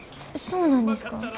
そうなんですか？